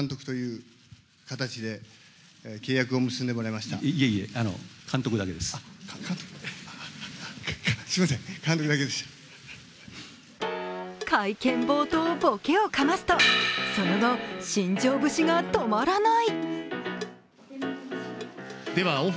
まずは会見冒頭、ボケをかますと、その後、新庄節が止まらない。